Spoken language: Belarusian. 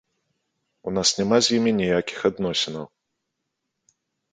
У нас няма з імі ніякіх адносінаў.